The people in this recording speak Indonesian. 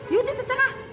you itu terserah